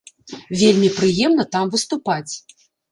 Вельмі прыемна там выступаць.